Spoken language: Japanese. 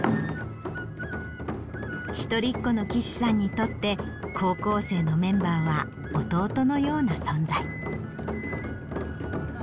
一人っ子の貴志さんにとって高校生のメンバーは弟のような存在。